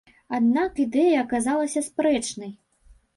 Аднак ідэя аказалася спрэчнай.